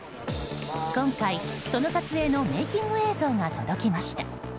今回、その撮影のメイキング映像が届きました。